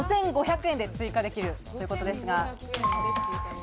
５５００円で追加できるということですが。